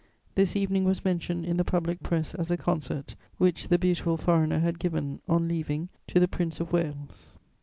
This evening was mentioned in the public press as a concert which the beautiful foreigner had given, on leaving, to the Prince of Wales.